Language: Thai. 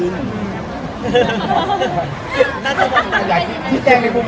นิดนิดหนึ่งค่ะมันก็ต้องมีบ้างอยู่แล้ว